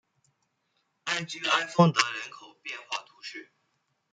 艾居埃丰德人口变化图示